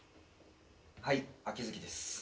はい秋月です。